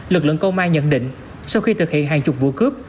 lực lượng công an nhận định sau khi thực hiện hàng chục vụ cướp